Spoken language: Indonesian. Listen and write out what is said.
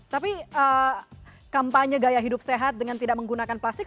tapi kampanye gaya hidup sehat dengan tidak menggunakan plastik